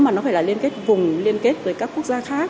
mà nó phải là liên kết vùng liên kết với các quốc gia khác